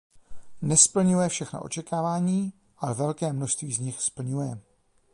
Nesplňuje všechna očekávaní, ale velké množství z nich splňuje.